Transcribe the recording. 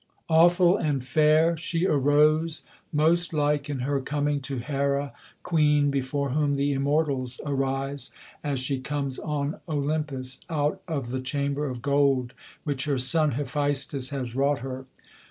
Awful and fair she arose, most like in her coming to Here, Queen before whom the Immortals arise, as she comes on Olympus, Out of the chamber of gold, which her son Hephaestos has wrought her.